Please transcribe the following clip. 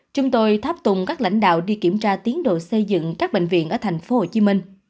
chúng tôi tháp tùng các lãnh đạo đi kiểm tra tiến độ xây dựng các bệnh viện ở tp hcm